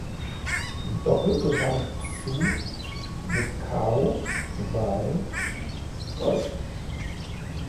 Im Doppel gewann Xu mit Cao Wei Gold.